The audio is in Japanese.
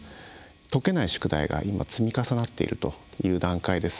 解けない宿題が今積み重なっているという段階です。